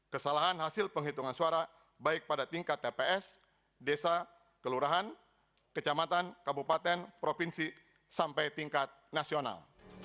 kesalahan hasil penghitungan suara baik pada tingkat tps desa kelurahan kecamatan kabupaten provinsi sampai tingkat nasional